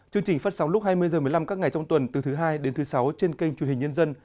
chương trình phát sóng lúc hai mươi h một mươi năm các ngày trong tuần từ thứ hai đến thứ sáu trên kênh truyền hình nhân dân